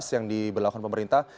yang diberlakukan pemerintah